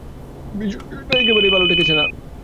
বিষয়টা একেবারেই ভালো ঠেকেছে না।